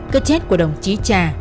cơ chết của đồng chí trà